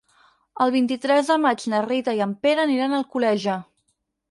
El vint-i-tres de maig na Rita i en Pere aniran a Alcoleja.